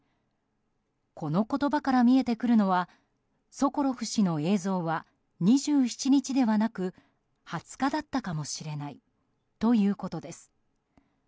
この言葉から見えてくるのはソコロフ氏の映像は２７日ではなく２０日だったかもしれないということです。